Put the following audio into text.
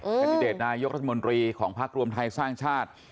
แคนดิเดตนายกรัฐมนตรีของพักรวมไทยสร้างชาติ